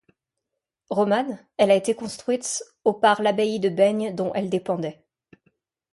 Romane, elle a été construite au par l'abbaye de Baignes dont elle dépendait.